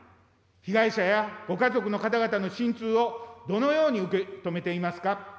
被害者やご家族の方々の心痛をどのように受け止めていますか。